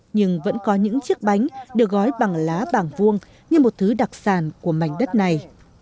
nhưng vẫn có những chiếc bánh được gói bằng lá bảng vuông như một thứ đặc sản của mảnh đất này